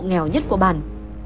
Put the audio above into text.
nghèo nhất của bàn